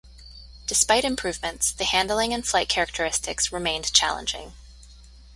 Despite improvements, the handling and flight characteristics remained challenging.